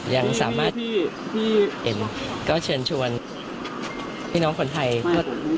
ยังสามารถเชิญชวนพี่น้องคนไทย